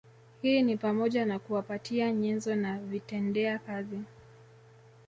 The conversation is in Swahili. Hii ni pamoja na kuwapatia nyenzo na vitendea kazi